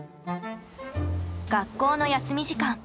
学校の休み時間。